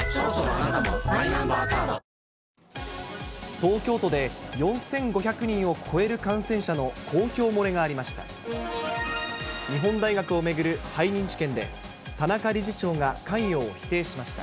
東京都で４５００人を超える感染者の公表漏れがありました。